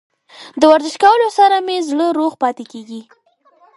د ورزش کولو سره مې زړه روغ پاتې کیږي.